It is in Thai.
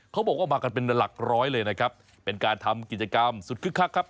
เขาบอกว่ามากันเป็นหลักร้อยเลยนะครับเป็นการทำกิจกรรมสุดคึกคักครับ